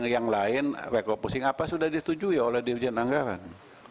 yang lain refocusing apa sudah disetujui oleh dirjen anggaran